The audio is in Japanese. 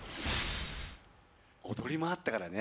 踊りもあったからね